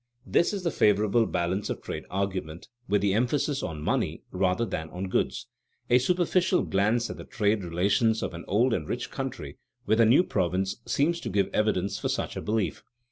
_ This is the "favorable balance of trade" argument, with the emphasis on money rather than on goods. A superficial glance at the trade relations of an old and rich country with a new province seems to give evidence for such a belief.